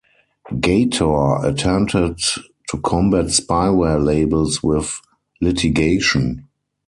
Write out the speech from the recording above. Gator attempted to combat spyware labels with litigation.